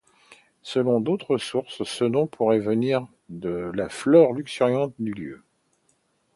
Selon d'autres sources, ce nom pourrait venir de la flore luxuriante du lieu.